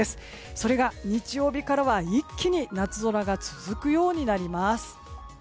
それが日曜日からは一気に夏空が続くようになります。